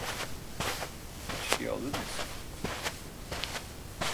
İçki alır mısın?